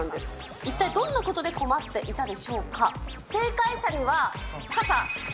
一体どんなことで困っていたでしょうか。